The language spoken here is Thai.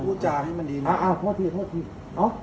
พูดจาให้มันดีหน่อย